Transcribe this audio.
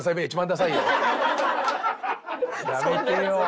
やめてよ